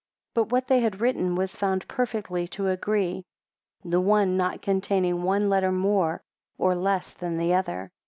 9 But what they had written was found perfectly to agree, the one not containing one letter more or less than the other.